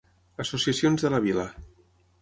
Associacions de la vila.